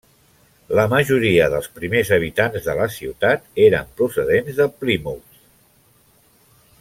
La majoria dels primers habitants de la ciutat eren procedents de Plymouth.